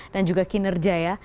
dan juga kinerja ya